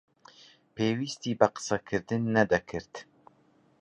پێویستی بە قسەکردن نەدەکرد.